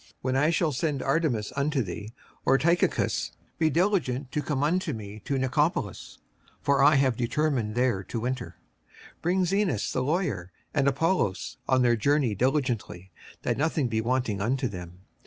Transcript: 56:003:012 When I shall send Artemas unto thee, or Tychicus, be diligent to come unto me to Nicopolis: for I have determined there to winter. 56:003:013 Bring Zenas the lawyer and Apollos on their journey diligently, that nothing be wanting unto them.